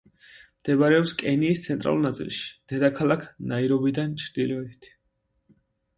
მდებარეობს კენიის ცენტრალურ ნაწილში, დედაქალაქ ნაირობიდან ჩრდილოეთით.